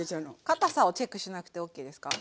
かたさをチェックしなくてＯＫですか？